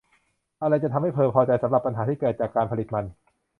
อะไรจะทำให้เธอพอใจสำหรับปัญหาที่เกิดจากการผลิตมัน